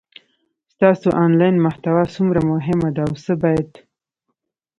ستاسو انلاین محتوا څومره مهمه ده او څه باید